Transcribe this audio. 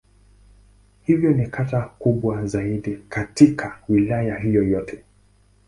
Hivyo ni kata kubwa zaidi katika Wilaya hiyo yote.